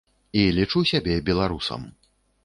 І лічу сябе беларусам.